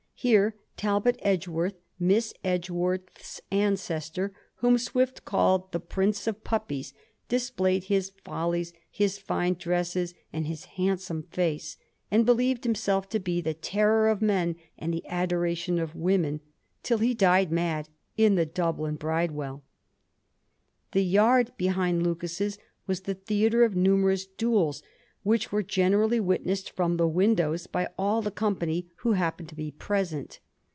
Here Talbot Edgeworth, Miss Edgeworth's ancestor, whom Swift called the * prince of puppies,' displayed his follies, his fine dresses, and his handsome &ce, and believed himself to be the terror of men and the adoration of women, till he died mad in the Dublin Bridewell. The yard behind Lucas's was the theatre of numerous duels, which were generally witnessed from the windows by all the company who happened to be present.